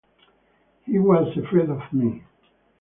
He was afraid of me.